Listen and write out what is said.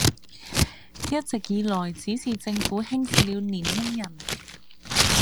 一直以來只是政府輕視了年輕人